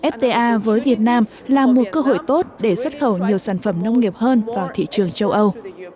fta với việt nam là một cơ hội tốt để xuất khẩu nhiều sản phẩm nông nghiệp hơn vào thị trường châu âu